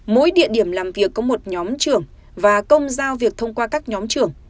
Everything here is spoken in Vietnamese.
mỗi địa điểm làm việc có một nhóm trưởng và công giao việc thông qua các nhóm trưởng